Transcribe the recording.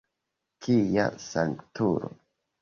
Kia sanktulo!